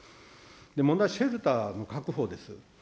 問題はシェルターの確保です。